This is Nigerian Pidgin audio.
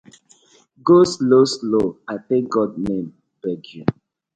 Go slow slow I tak God name beg yu.